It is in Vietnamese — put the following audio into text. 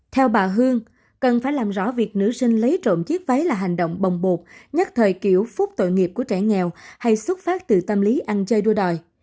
theo bà hương cần phải làm rõ việc nữ sinh lấy trộm chiếc váy là hành động bồng bột nhất thời kiểu phút tội nghiệp của trẻ nghèo hay xuất phát từ tâm lý ăn chơi đua đòi